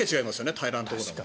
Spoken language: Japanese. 平らなところでも。